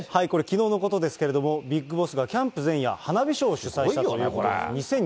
これ、きのうのことですけれども、ビッグボスがキャンプ前夜、花火ショーを主催したということです。